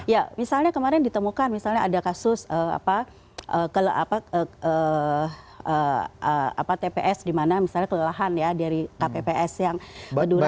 ya misalnya kemarin ditemukan misalnya ada kasus tps di mana misalnya kelelahan ya dari kpps yang kedua